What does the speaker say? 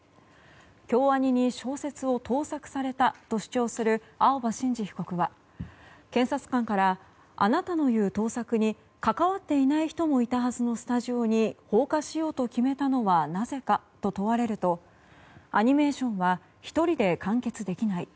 京アニに小説を盗作されたと主張する青葉真司被告は、検察官からあなたの言う盗作に関わっていない人もいたはずのスタジオに放火しようと決めたのはなぜかと問われるとアニメーションは１人で完結できない。